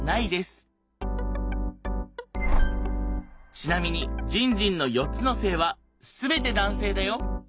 ちなみにじんじんの４つの性は全て男性だよ。